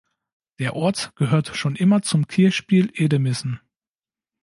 Der Ort gehört schon immer zum Kirchspiel Edemissen.